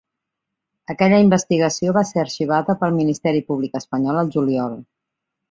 Aquella investigació va ser arxivada pel ministeri públic espanyol al juliol.